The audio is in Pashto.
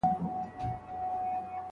ستونزي ستاسو د وړتیا ازموینه کوي.